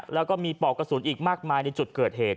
แล้วก็มีปอกกระสุนอีกมากมายในจุดเกิดเหตุ